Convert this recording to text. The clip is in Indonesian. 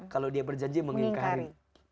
kalau dia berjanji mengingkari